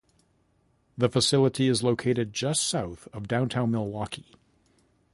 The facility is located just south of downtown Milwaukee.